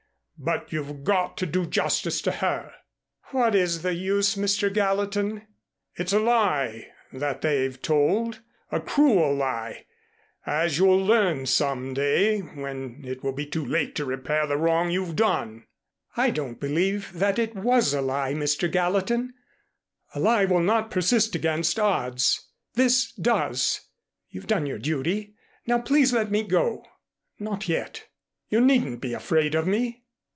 But you've got to do justice to her." "What is the use, Mr. Gallatin?" "It's a lie that they've told, a cruel lie, as you'll learn some day when it will be too late to repair the wrong you've done." "I don't believe that it was a lie, Mr. Gallatin. A lie will not persist against odds. This does. You've done your duty. Now please let me go." "Not yet. You needn't be afraid of me."